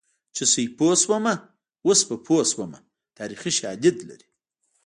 چې سیپو شومه اوس په پوه شومه تاریخي شالید لري